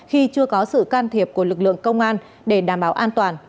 khi chưa có sự can thiệp của lực lượng công an để đảm bảo an toàn